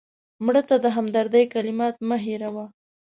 مړه ته د همدردۍ کلمات مه هېروه